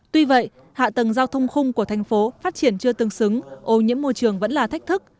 tuy vậy hạ tầng giao thông khung của thành phố phát triển chưa tương xứng ô nhiễm môi trường vẫn là thách thức